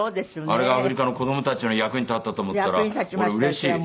あれがアフリカの子供たちの役に立ったと思ったら俺うれしい。